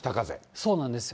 そうなんですよ。